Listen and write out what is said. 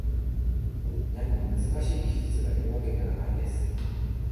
何も難しい技術がいるわけではないです